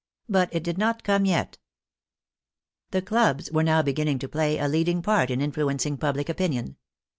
But it did not come yet. The clubs were now beginning to play a leading part in influencing public opinion.